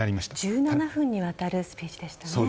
１７分にわたるスピーチでしたね。